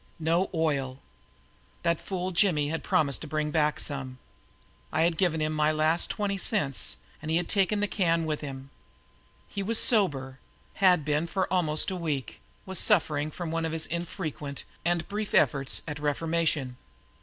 No oil! That fool Jimmy had promised to brink back some. I had given him my last twenty cents and he had taken the can with him. He was sober, had been for almost a week, was suffering from one of his infrequent and brief efforts at reformation.